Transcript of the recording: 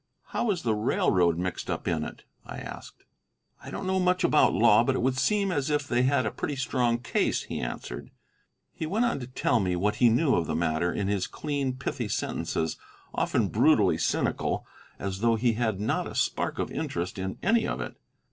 "How is the railroad mixed up in it?" I asked. "I don't know much about law, but it would seem as if they had a pretty strong case," he answered. He went on to tell me what he knew of the matter in his clean, pithy sentences, often brutally cynical, as though he had not a spark of interest in any of it.